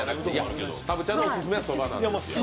たぶっちゃんのオススメはそばなんですよね。